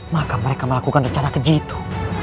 maka mereka melakukan rencana keji itu